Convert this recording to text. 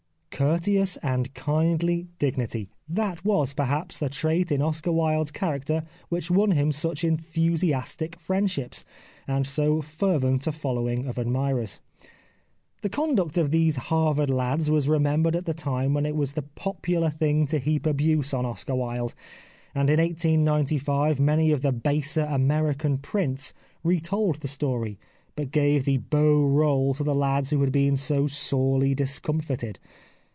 Courteous and kindly dignity" : that was, perhaps, the trait in Oscar Wilde's character which won him such enthusiastic friendships, and so fervent a following of admirers. The conduct of these Harvard lads was re membered at the time when it was the popular thing to heap abuse on Oscar Wilde, and in 1895 many of the baser American prints retold the story, but gave the beau role to the lads who had been so sorely discomfited.